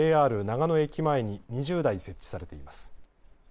ＪＲ長野駅前に２０台設置されています。